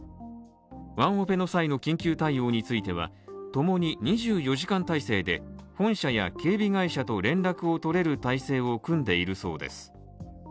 ワンオペの際の緊急対応については、ともに２４時間体制で本社や警備会社と連絡を取れる体制を組んでいるそうです。